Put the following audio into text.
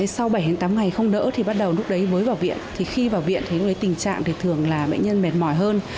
sau bảy tám ngày không nỡ thì bắt đầu lúc đấy mới vào viện khi vào viện thì tình trạng thường là bệnh nhân mệt mỏi hơn